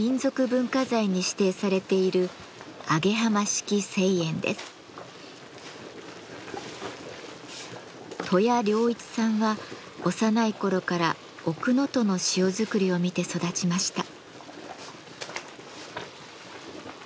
文化財に指定されている登谷良一さんは幼い頃から奥能登の塩作りを見て育ちました。